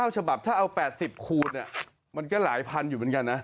ฉบับถ้าเอา๘๐คูณมันก็หลายพันอยู่เหมือนกันนะ